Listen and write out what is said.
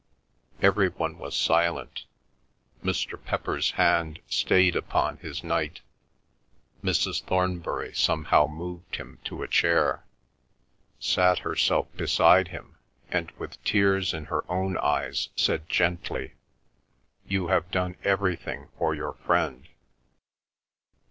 Every one was silent. Mr. Pepper's hand stayed upon his Knight. Mrs. Thornbury somehow moved him to a chair, sat herself beside him, and with tears in her own eyes said gently, "You have done everything for your friend."